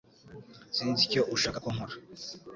Sinzi icyo ushaka ko nkora